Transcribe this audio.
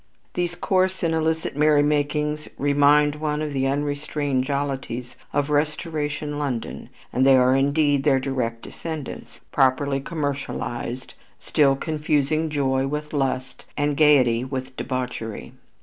These coarse and illicit merrymakings remind one of the unrestrained jollities of Restoration London, and they are indeed their direct descendants, properly commercialized, still confusing joy with lust, and gaiety with debauchery.